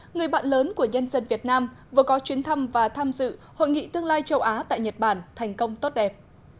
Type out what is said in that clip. người bạn lớn của nhân dân việt nam vừa có chuyến thăm và tham dự hội nghị tương lai châu á tại nhật bản thành công tốt đẹp